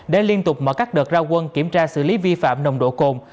để liên tục mở các đợt ra quân kiểm tra xử lý vi phạm nồng độ cồn